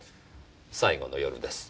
最後の夜です。